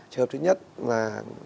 trường hợp thứ nhất là